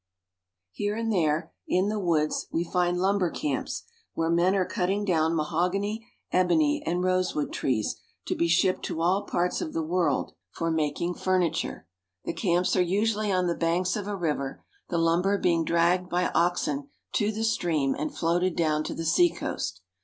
Here and there, in the woods, we find lumber camps, where men are cutting down mahogany, ebony, and rose wood trees, to be shipped to all parts of the world for A Hut in Central Anierica. 350 CENTRAL AMERICA. making furniture. The camps are usually on the banks of a river, the lumber being dragged by oxen to the stream, and floated down to the seacoast.